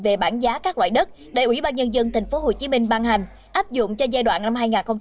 về bảng giá các loại đất để ủy ban nhân dân tp hcm ban hành áp dụng cho giai đoạn năm hai nghìn một mươi hai nghìn hai mươi